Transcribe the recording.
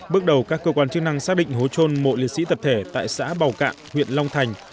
bước đầu các cơ quan chức năng xác định hố trôn mộ liệt sĩ tập thể tại xã bào cạn huyện long thành